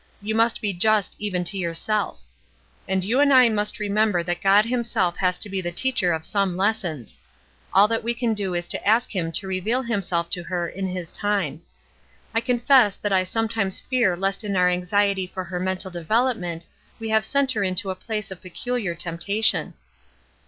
You must be just even to yourself. And you and I must remem ber that God Himself has to be the teacher of some lessons. All that we can do is to a^ Him to reveal Himself to her in His time. I confess that I sometimes fear lest in our anxiety for her mental development we have sent her into a place of pecuUar temptation."